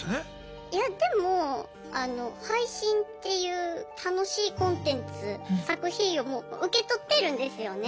いやでも配信っていう楽しいコンテンツ作品をもう受け取ってるんですよね。